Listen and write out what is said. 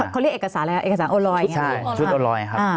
เขาเรียกเอกสารอะไรครับเอกสารโอลอยอย่างนี้ใช่ชุดโอลอยครับ